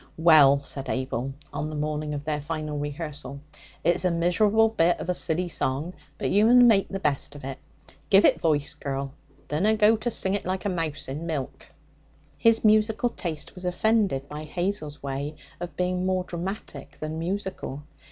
'Well,' said Abel on the morning of their final rehearsal, 'it's a miserable bit of a silly song, but you mun make the best of it. Give it voice, girl! Dunna go to sing it like a mouse in milk!' His musical taste was offended by Hazel's way of being more dramatic than musical.